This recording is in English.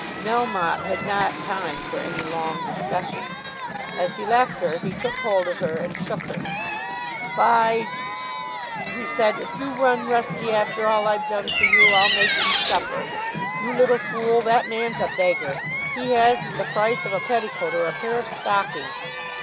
Melmotte had not time for any long discussion. As he left her he took hold of her and shook her. "By ," he said, "if you run rusty after all I've done for you, I'll make you suffer. You little fool; that man's a beggar. He hasn't the price of a petticoat or a pair of stockings.